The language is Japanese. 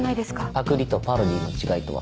パクリとパロディーの違いとは？